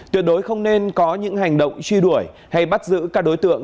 tuyệt đối không nên có những hành động truy đuổi hay bắt giữ các đối tượng